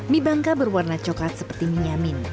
mie bangka berwarna coklat seperti mie yamin